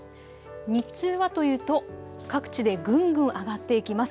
日中はというと、各地でぐんぐん上がっていきます。